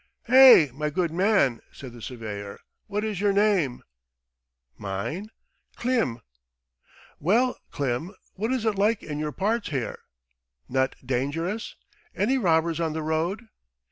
"Hey, my good man!" said the surveyor, "What is your name?" "Mine? Klim." "Well, Klim, what is it like in your parts here? Not dangerous? Any robbers on the road?"